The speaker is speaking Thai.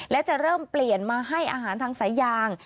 และจะเริ่มเปลี่ยนมาให้อาหารทางสายยาง